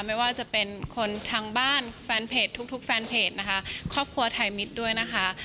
ไม่ว่าจะเป็นคนทางบ้านแฟนเพจทุกทุกแฟนเพจนะคะครอบครัวไทยมิตรด้วยนะคะ